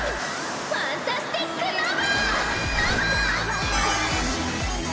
ファンタスティックノヴァー！